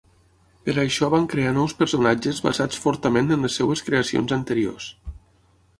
Per a això van crear nous personatges basats fortament en les seues creacions anteriors.